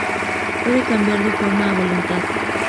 Puede cambiar de forma a voluntad.